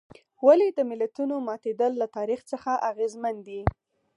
ولې د ملتونو ماتېدل له تاریخ څخه اغېزمن دي.